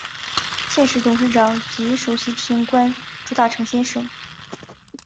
现时董事长及首席执行官朱大成先生。